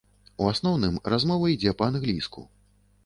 У асноўным размова ідзе па-англійску.